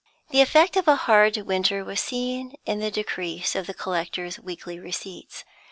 The effect of a hard winter was seen in the decrease of the collector's weekly receipts.